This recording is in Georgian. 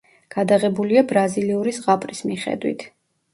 გადაღებულია ბრაზილიური ზღაპრის მიხედვით.